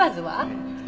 うん。